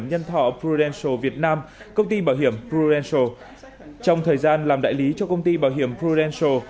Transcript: nhân thọ prudential việt nam công ty bảo hiểm prudential trong thời gian làm đại lý cho công ty bảo hiểm prudential